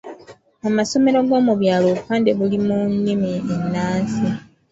Mu masomero g’omu byalo obupande buli mu nnimi ennansi.